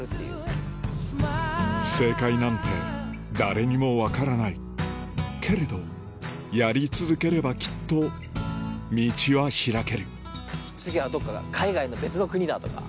正解なんて誰にも分からないけれどやり続ければきっと道は開ける次はどっか海外の別の国だとか。